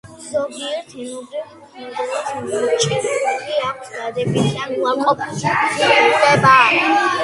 ზოგიერთ ენობრივ ქმედებას მინიჭებული აქვს დადებითი ან უარყოფითი ღირებულება.